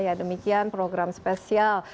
ya demikian program spesial